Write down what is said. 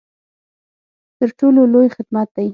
تر ټولو لوی خدمت دی.